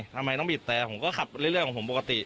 ทำไมต้องบีบแต่ผมก็ขับเรื่อยของผมปกติ